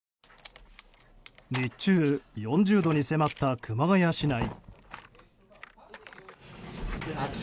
日中４０度に迫った熊谷市内。